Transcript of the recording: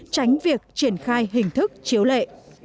tránh việc triển khai hình thức chiếu lệ